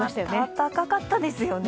高かったですよね。